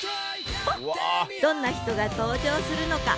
どんな人が登場するのか？